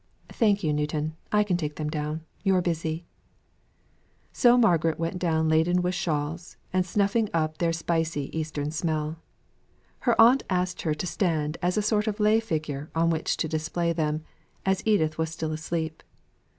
Thank you, Newton, I can take them down you're busy." So Margaret went down laden with shawls, and snuffing up their spicy Eastern smell. Her aunt asked her to stand as a sort of lay figure on which to display them, as Edith was still asleep.